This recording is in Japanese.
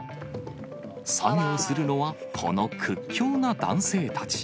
作業するのはこの屈強な男性たち。